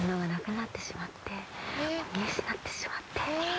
見失ってしまって。